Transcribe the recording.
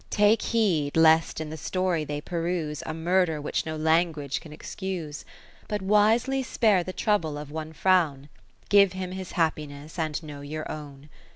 30 Take heed lest in the story they peruse A murther which no language can excuse : But wisely spare the trouble of one frown ; Give him his happiness, and know your own.